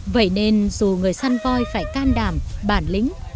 vậy nên dù người săn voi phải can đảm bản lĩnh